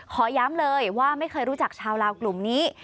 ขอย้ำเลยว่าไม่เคยรู้จักชาวลาวกลุ่มนี้